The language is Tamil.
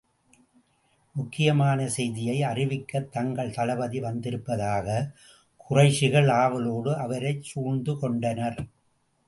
முக்கியமான செய்தியை அறிவிக்கத் தங்கள் தளபதி வந்திருப்பதாகக் குறைஷிகள் ஆவலோடு அவரைச் சூழ்ந்து கொண்டனர்.